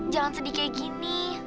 jangan sedih kayak gini